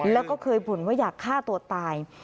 แล้วก็เคยบ่นว่าอยากฆ่าตัวตาย